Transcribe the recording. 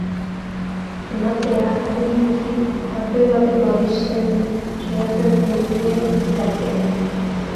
Emaztea, erdi biluzik, kantoi baten babesten saiatzen zebilen bitartean.